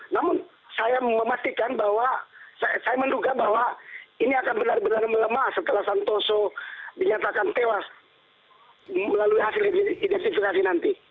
namun saya memastikan bahwa saya menduga bahwa ini akan benar benar melemah setelah santoso dinyatakan tewas melalui hasil identifikasi nanti